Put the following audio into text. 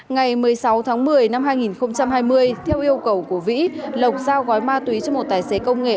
ngày một mươi sáu tháng một mươi năm hai nghìn hai mươi theo yêu cầu của vĩ lộc giao gói ma túy cho một tài xế công nghệ